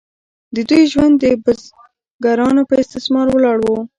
د دوی ژوند د بزګرانو په استثمار ولاړ و.